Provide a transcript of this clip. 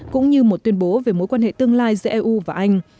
cũng như một tuyên bố về mối quan hệ tương lai giữa eu và anh